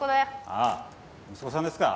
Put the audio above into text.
ああ息子さんですか。